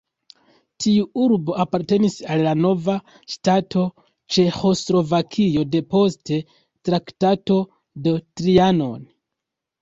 Tiu urbo apartenis al la nova ŝtato Ĉeĥoslovakio depost Traktato de Trianon.